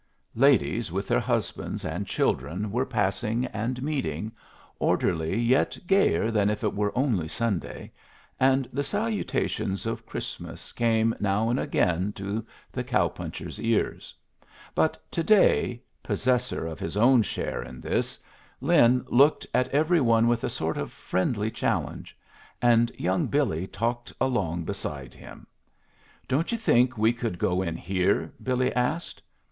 Ladies with their husbands and children were passing and meeting, orderly yet gayer than if it were only Sunday, and the salutations of Christmas came now and again to the cow puncher's ears; but to day, possessor of his own share in this, Lin looked at every one with a sort of friendly challenge, and young Billy talked along beside him. "Don't you think we could go in here?" Billy asked.